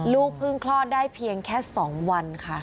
ลูกเพิ่งคลอดได้เพียงแค่๒วันค่ะ